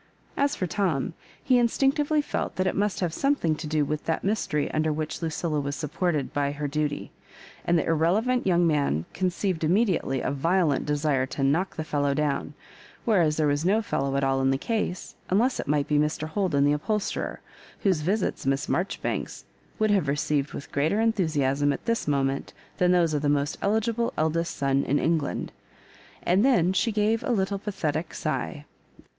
As for Tom, he in stinctively felt that it must have something to do with that mystery under which Lucilla was sup ported by her duty; and the irrelevant young man conceived immediately a violent' desire to knock the fellow down ; whereas there was no fellow at all in the case, unless it might be Mr. Holden the upholsterer, whose visits Miss Mar joribanks would have received with greater en thusiasm at this moment than those of the most eligible eldest son in England. And then she gave a little pathetic sigh.